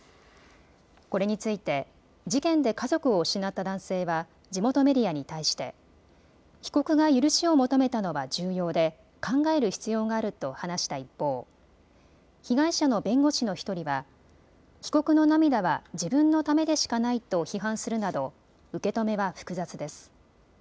これについて事件で家族を失った男性は地元メディアに対して被告が許しを求めたのは重要で考える必要があると話した一方、被害者の弁護士の１人は被告の涙は自分のためでしかないと批判するなど受け止めは複雑です。